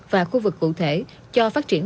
và khu vực cụ thể cho phát triển